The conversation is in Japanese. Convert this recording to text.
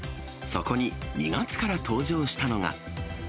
そこに２月から登場したのが。